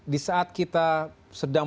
di saat kita sedang